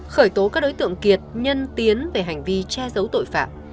khởi tố các đối tượng kiệt nhân tiến về hành vi che giấu tội phạm